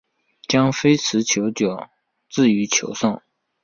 将非持球脚置于球上。